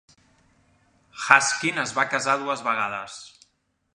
Haskin es va casar dues vegades.